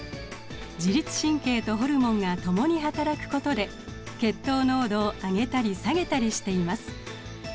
自律神経とホルモンが共に働くことで血糖濃度を上げたり下げたりしています。